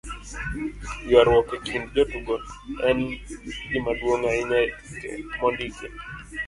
ywaruok e kind jotugo en gimaduong' ahinya e tuke mondiki